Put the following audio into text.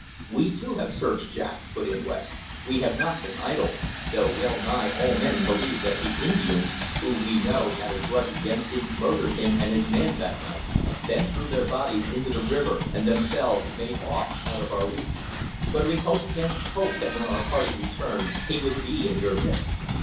"We too have searched, Jack," put in West. "We have not been idle, though well nigh all men believe that the Indians, who we know had a grudge against him, murdered him and his man that night, then threw their bodies into the river, and themselves made off out of our reach. But we hoped against hope that when your party returned he would be in your midst."